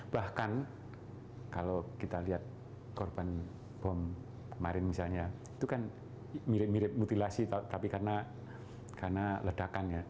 bahkan kalau kita lihat korban bom kemarin misalnya itu kan mirip mirip mutilasi tapi karena ledakan ya